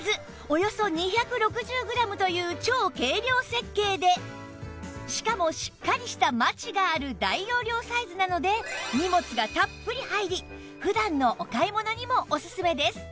およそ２６０グラムという超軽量設計でしかもしっかりしたマチがある大容量サイズなので荷物がたっぷり入り普段のお買い物にもおすすめです